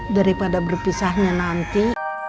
daripada berpisahnya nanti